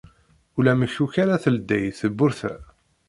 Ulamek akk ara teldey tewwurt-a.